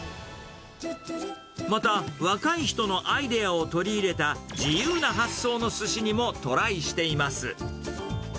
また、若い人のアイデアを取り入れた自由な発想のすしにもトライしています。